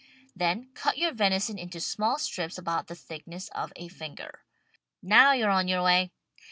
Then cut your venison into small strips about the thickness of a finger. Now you are on your way.